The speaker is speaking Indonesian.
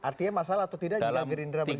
artinya masalah atau tidak jika gerindra menilai